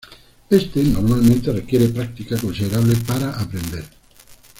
Éste normalmente requiere práctica considerable para aprender.